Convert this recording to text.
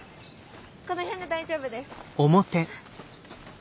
この辺で大丈夫です。